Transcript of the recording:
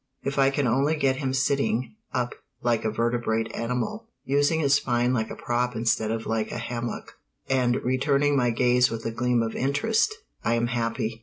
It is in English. If I can only get him sitting up like a vertebrate animal, using his spine like a prop instead of like a hammock, and returning my gaze with a gleam of interest, I am happy.